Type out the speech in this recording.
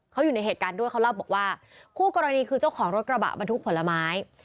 เขาอยู่ในเหตุการณ์ด้วยเขาเล่าบอกว่าคู่กรณีคือเจ้าของรถกระบะบรรทุกผลไม้